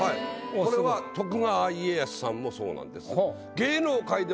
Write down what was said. これは徳川家康さんもそうなんです。